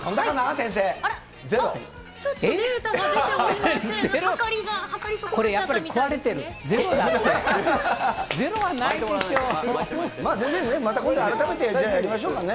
先生ね、また今度改めて、じゃあ、やりましょうかね。